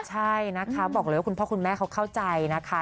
ใช่นะคะบอกเลยว่าคุณพ่อคุณแม่เขาเข้าใจนะคะ